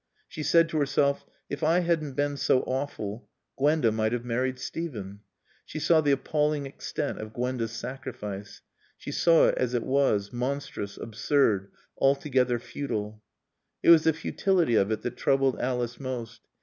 She said to herself, "If I hadn't been so awful, Gwenda might have married Steven." She saw the appalling extent of Gwenda's sacrifice. She saw it as it was, monstrous, absurd, altogether futile. It was the futility of it that troubled Alice most.